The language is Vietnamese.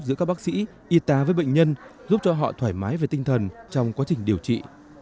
giữa các bác sĩ y tá với bệnh nhân giúp cho họ thoải mái về tinh thần trong quá trình điều trị